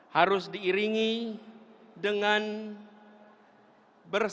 harus diiringi dengan berserang